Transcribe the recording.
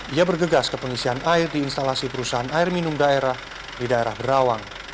ia bergegas ke pengisian air di instalasi perusahaan air minum daerah di daerah berawang